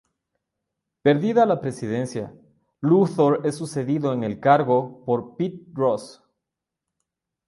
Perdida la presidencia, Luthor es sucedido en el cargo por Pete Ross.